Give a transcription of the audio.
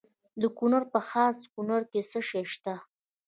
د کونړ په خاص کونړ کې څه شی شته؟